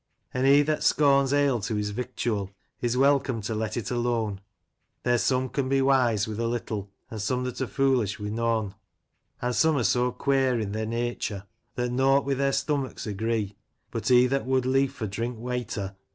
An' he that scorns ale to his victual, Is welcome to let it alone ; There's some can be wise with a little, An' some that are foolish wi' noan ; An* some are so quare i' their natur, That nought w^i' their stomachs agree ; But, he that would leifer drink wayter.